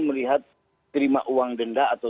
melihat terima uang denda atau